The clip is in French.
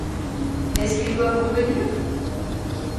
Est-ce qu'ils doivent revenir ?